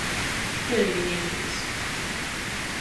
Škeļvineitīs.